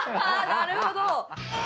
なるほど。